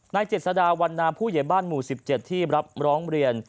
เจษฎาวันนาผู้ใหญ่บ้านหมู่๑๗ที่รับร้องเรียน